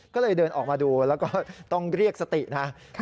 ก็เลยเดินออกมาดูแล้วก็ต้องเรียกสตินะ